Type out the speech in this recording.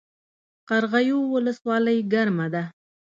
قرغیو ولسوالۍ ګرمه ده؟